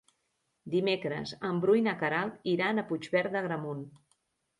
Dimecres en Bru i na Queralt iran a Puigverd d'Agramunt.